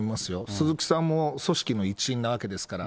鈴木さんも組織の一員なわけですから。